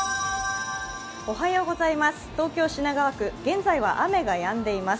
東京・品川区、現在は雨がやんでいます。